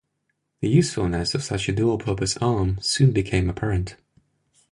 The usefulness of such a dual-purpose arm soon became apparent.